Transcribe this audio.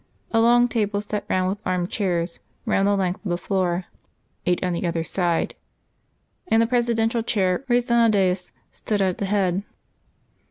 A long table, set round with armed chairs, ran the length of the floor, eight on either side; and the Presidential chair, raised on a dais, stood at the head.